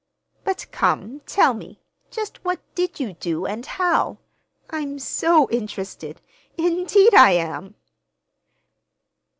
"But, come, tell me, just what did you do, and how? I'm so interested—indeed, I am!"